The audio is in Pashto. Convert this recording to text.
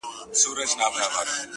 یو صوفي یو قلندر سره یاران وه.!